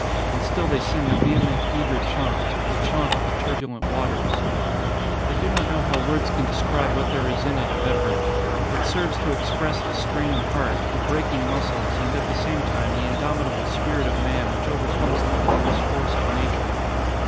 And still they sing a vehement, eager chaunt, the chaunt of the turbulent waters. I do not know how words can describe what there is in 129 ON A CHINESE SCREEN it of effort. It serves to express the straining heart, the breaking muscles, and at the same time the indomitable spirit of man which overcomes the pitiless force of nature.